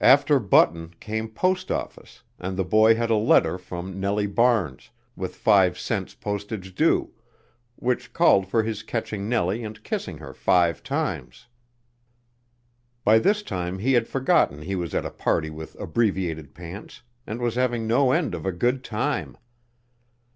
After button came post office, and the boy had a letter from Nellie Barnes, with five cents postage due, which called for his catching Nellie and kissing her five times. By this time he had forgotten he was at a party with abbreviated pants, and was having no end of a good time.